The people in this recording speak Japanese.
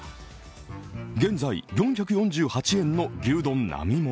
現在４４８円の牛丼並盛。